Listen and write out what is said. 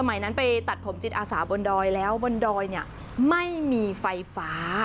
สมัยนั้นไปตัดผมจิตอาสาบนดอยแล้วบนดอยเนี่ยไม่มีไฟฟ้า